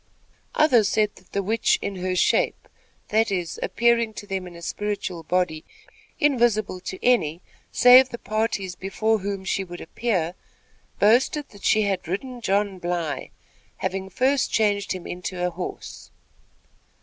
Others said that the witch "in her shape," that is, appearing to them in a spiritual body invisible to any save the parties before whom she would appear, boasted that she had ridden John Bly, having first changed him into a horse.